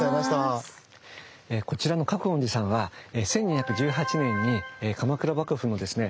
こちらの覚園寺さんは１２１８年に鎌倉幕府のですね